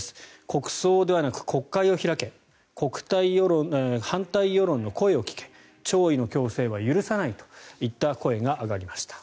国葬ではなく国会を開け反対世論の声を聞け弔意の強制は許さないといった声が上がりました。